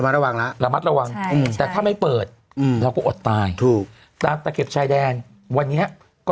ระมัดระวังแล้วใช่